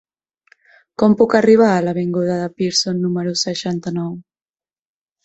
Com puc arribar a l'avinguda de Pearson número seixanta-nou?